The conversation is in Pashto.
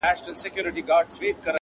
له کښتۍ سره مشغول وو په څپو کي!!